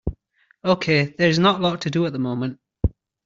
Okay, there is not a lot to do at the moment.